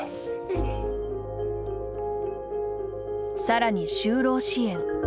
さらに就労支援。